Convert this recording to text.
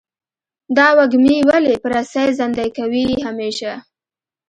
دا وږمې ولې په رسۍ زندۍ کوې همیشه؟